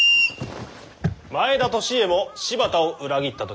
前田利家も柴田を裏切ったと聞く。